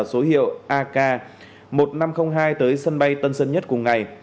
số hiệu ak một nghìn năm trăm linh hai tới sân bay tân sơn nhất cùng ngày